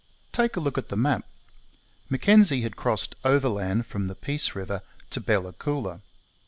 Take a look at the map! Mackenzie had crossed overland from the Peace river to Bella Coola.